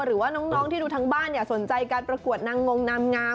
หรือว่าน้องที่ดูทางบ้านสนใจการประกวดนางงนางงาม